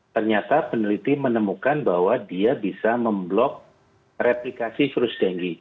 ternyata peneliti menemukan bahwa dia bisa memblok replikasi virus denggi